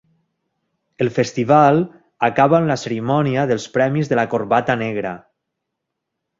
El festival acaba amb la cerimònia dels premis de la corbata negra.